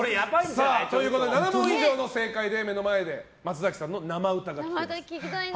７問以上の正解で目の前で松崎さんの生歌が聴けます。